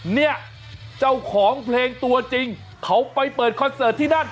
เนี่ยเจ้าของเพลงตัวจริงเขาไปเปิดคอนเสิร์ตที่นั่น